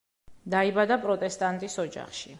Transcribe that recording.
დაიბადა პროტესტანტის ოჯახში.